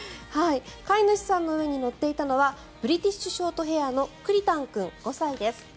飼い主さんの上に乗っていたのはブリティッシュショートヘアのくりたん君、５歳です。